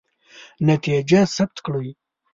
نتیجه ثبت کړئ.